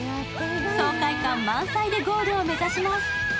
爽快感満載でゴールを目指します。